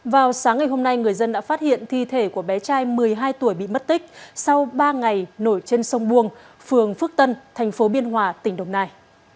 vào sáng ngày hôm nay người dân đã phát hiện thi thể của bé trai một mươi hai tuổi bị mất tích sau ba ngày nổi trên sông buông phường phước tân thành phố biên hòa tỉnh đồng nai